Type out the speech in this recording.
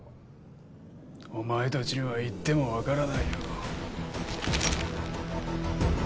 お前たちには言ってもわからないよ。